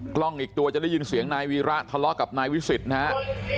กล้องอีกตัวจะได้ยินเสียงนายวีระทะเลาะกับนายวิสิทธิ์นะครับ